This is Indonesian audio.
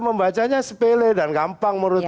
membacanya sepele dan gampang menurut